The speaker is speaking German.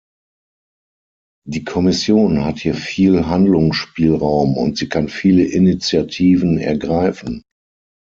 Die Kommission hat hier viel Handlungsspielraum, und sie kann viele Initiativen ergreifen.